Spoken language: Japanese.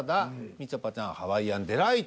みちょぱちゃん「ハワイアンデライト」。